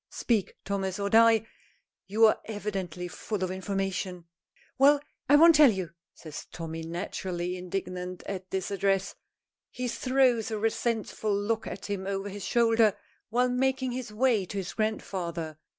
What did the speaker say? Speak, Thomas, or die you are evidently full of information!" "Well, I won't tell you!" says Tommy, naturally indignant at this address. He throws a resentful look at him over his shoulder while making his way to his grandfather.